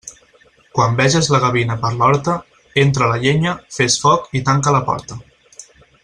Quan veges la gavina per l'horta, entra la llenya, fes foc i tanca la porta.